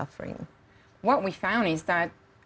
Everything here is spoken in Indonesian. apa yang kami temukan adalah